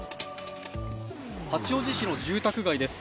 八王子市の住宅街です。